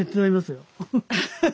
ハハハッ！